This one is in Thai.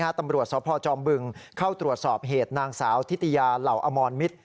ตำรวจสพจอมบึงเข้าตรวจสอบเหตุนางสาวทิติยาเหล่าอมรมิตร